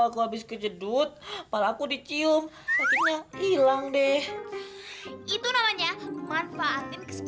manfaatin kesempatan dalam kesepitan tahu nggak